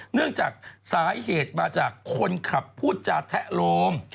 เนื่องจากสาเหตุมาจากคนขับพูดจาแทะโลม